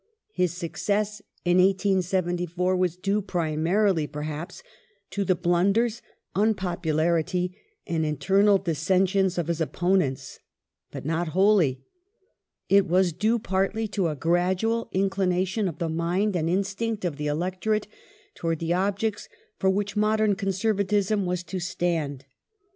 His success in 1874 was due, primarily perhaps, to the blunders, unpopularity, and internal dissensions of his opponents. But not wholly. It was due partly to a gradual inclination of the mind and instinct of the electorate towards the objects for which modern Conservatism was to stand.